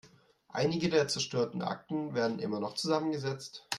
Einige der zerstörten Akten werden immer noch zusammengesetzt.